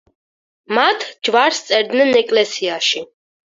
მათ ჯვარს სწერდნენ ეკლესიაში.